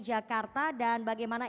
jakarta dan bagaimana